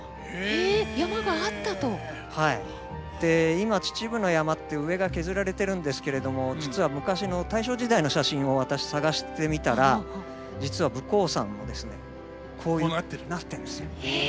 今秩父の山って上が削られてるんですけれども実は昔の大正時代の写真を私探してみたらこうなってる？へえ。